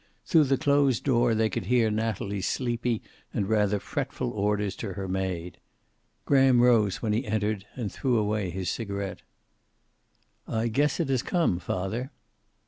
Through the closed door they could hear Natalie's sleepy and rather fretful orders to her maid. Graham rose when he entered, and threw away his cigaret. "I guess it has come, father."